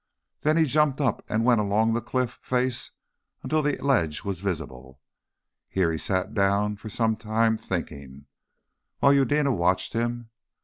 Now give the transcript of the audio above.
Then he jumped up and went along the cliff face until the ledge was visible. Here he sat down for some time thinking, while Eudena watched him.